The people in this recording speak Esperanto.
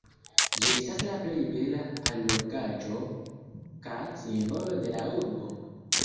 Ĝi estas la plej bela allogaĵo kaj simbolo de la urbo.